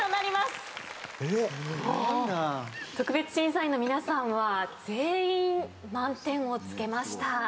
特別審査員の皆さんは全員満点をつけました。